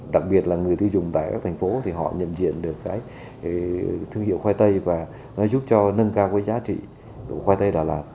đặc biệt là người tiêu dùng tại các thành phố thì họ nhận diện được cái thương hiệu khoai tây và nó giúp cho nâng cao cái giá trị của khoai tây đà lạt